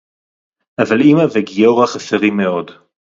אבל אמא וגיורא חסרים מאוד.